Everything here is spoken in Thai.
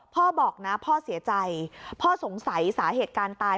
พ่อบอกนะพ่อเสียใจพ่อสงสัยสาเหตุการณ์ตาย